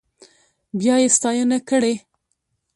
بيا يې ستاينه کړې.